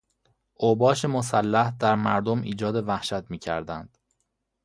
اوباش مسلح در مردم ایجاد وحشت میکردند.